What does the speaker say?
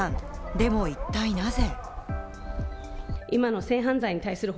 でも一体なぜ？